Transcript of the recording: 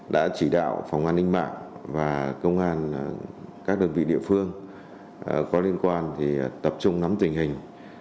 đã chỉ đạo phòng an ninh mạng và công an các đơn vị địa phương có liên quan tập trung nắm tình hình